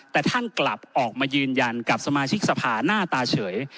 แต่ท่านกลับออกมายืนยันกับสมาชิกสภาหน้าตาเฉย